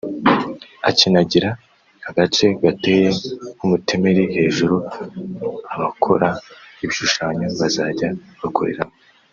ikanagira agace gateye nk’umutemeri hejuru abakora ibishushanyo bazajya bakoreramo